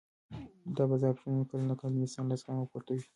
د بازار فشارونه کله ناکله د انسان له زغمه پورته وي.